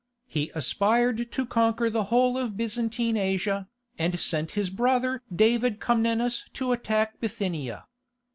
He aspired to conquer the whole of Byzantine Asia, and sent his brother David Comnenus to attack Bithynia.